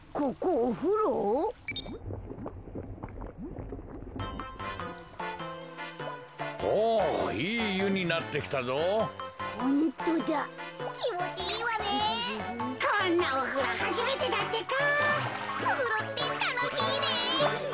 おふろってたのしいねウフフ。